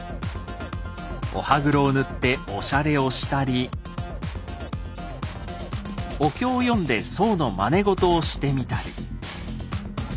お歯黒を塗っておしゃれをしたりお経を読んで僧のまねごとをしてみたり。